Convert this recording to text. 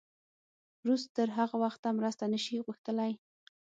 روس تر هغه وخته مرسته نه شي غوښتلی.